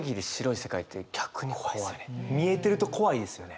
見えてると怖いですよね。